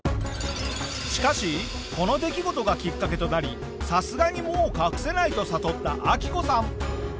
しかしこの出来事がきっかけとなりさすがにもう隠せないと悟ったアキコさん。